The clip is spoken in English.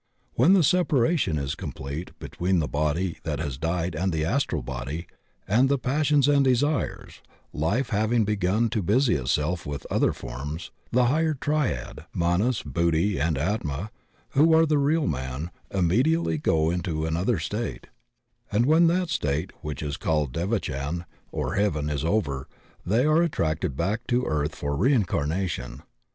When the separation is complete between the body that has died, the astral body, and the pas sions and desires — life having begun to busy itself with other forms — the Higher Triad, Manas, Buddhi, and Atma, who are the real man, immediately go into an other state, and when that state, which is called Devachan, or heaven, is over, they are attracted back to earth for reincarnation.